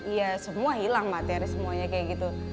iya semua hilang materi semuanya kayak gitu